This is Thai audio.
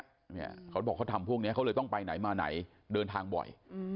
เขาบอกเขาทำพวกนี้เขาเลยต้องไปไหนมาไหนเดินทางบ่อย